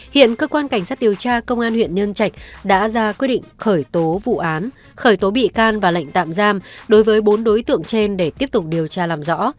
hiện cơ quan cảnh sát điều tra công an huyện nhân trạch đã ra quyết định khởi tố vụ án khởi tố bị can và lệnh tạm giam đối với bốn đối tượng trên để tiếp tục điều tra làm rõ